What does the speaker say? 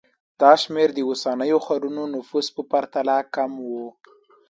دا شمېر د اوسنیو ښارونو نفوس په پرتله کم و